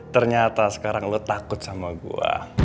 ternyata sekarang lo takut sama gue